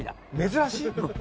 珍しい！